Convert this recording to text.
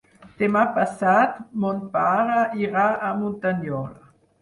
Demà passat mon pare irà a Muntanyola.